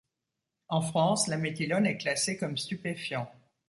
En France, la méthylone est classée comme stupéfiant.